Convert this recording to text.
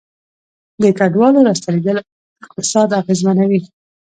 د کډوالو راستنیدل اقتصاد اغیزمنوي